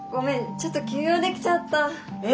ちょっと急用出来ちゃった！え！？